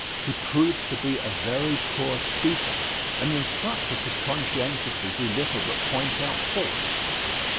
He proved to be a very poor speaker; and the instructor could conscientiously do little but point out faults.